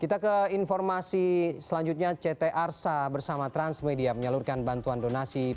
kita ke informasi selanjutnya ct arsa bersama transmedia menyalurkan bantuan donasi